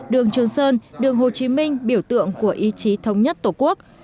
đường trường sơn đường hồ chí minh biểu tượng của ý chí thống nhất tổ quốc